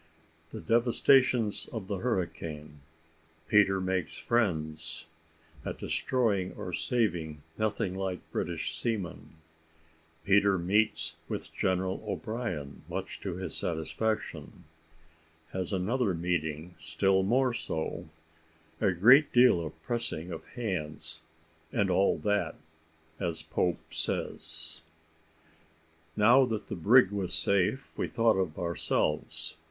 THE DEVASTATIONS OF THE HURRICANE PETER MAKES FRIENDS AT DESTROYING OR SAVING, NOTHING LIKE BRITISH SEAMEN PETER MEETS WITH GENERAL O'BRIEN MUCH TO HIS SATISFACTION HAS ANOTHER MEETING STILL MORE SO A GREAT DEAL OF PRESSING OF HANDS, "AND ALL THAT," AS POPE SAYS. Now that the brig was safe, we thought of ourselves.